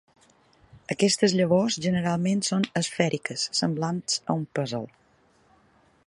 Aquestes llavors generalment són esfèriques semblants a un pèsol.